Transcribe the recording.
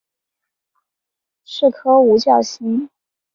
是颗五角星。